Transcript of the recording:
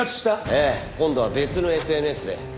ええ今度は別のＳＮＳで。